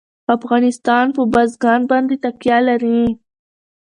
افغانستان په بزګان باندې تکیه لري.